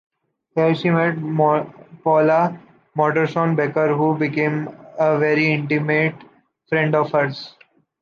Here she met Paula Modersohn-Becker, who became a very intimate friend of hers.